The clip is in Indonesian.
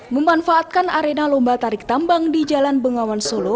memanfaatkan arena lomba tarik tambang di jalan bengawan solo